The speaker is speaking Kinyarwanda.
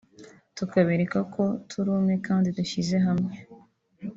tukabereka ko turi umwe kandi dushyize hamwe